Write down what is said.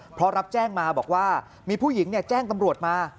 เพราะรับแจ้งมาบอกว่ามีผู้หญิงแจ้งตำรวจมา